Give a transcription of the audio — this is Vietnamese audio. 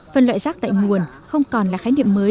phân loại rác tại nguồn không còn là khái niệm mới